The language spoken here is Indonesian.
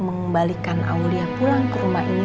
mengembalikan aulia pulang ke rumah ini